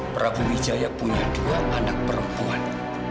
prabu wijaya punya dua anak perempuan